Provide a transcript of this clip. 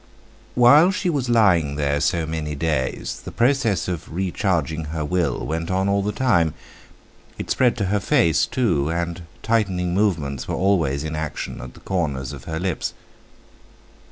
While she was lying there so many days the process of recharging her will went on all the time; it spread to her face, too, and tightening movements were always in action at the corners of her lips.